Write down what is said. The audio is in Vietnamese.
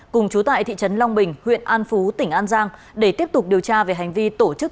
cùng chú tại thị trấn long bình huyện an phú tỉnh an giang để tiếp tục điều tra về hành vi tổ chức